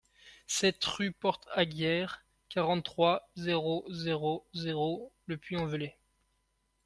sept rue Porte Aiguière, quarante-trois, zéro zéro zéro, Le Puy-en-Velay